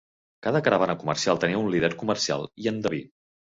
Cada caravana comercial tenia un líder comercial i endeví.